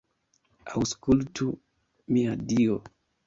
Aŭskultu, mia Dio.